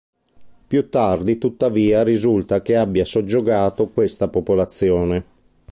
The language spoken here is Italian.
Più tardi, tuttavia, risulta che abbia soggiogato questa popolazione.